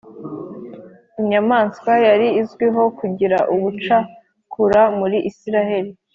inyamaswa yari izwiho kugira ubucakura muri Isirayeli